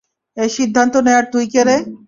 এই সিদ্ধান্ত নেয়ার তুই কে-রে?